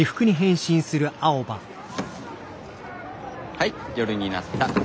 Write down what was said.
はい夜になった。